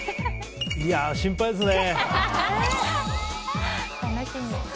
いやー、心配ですね。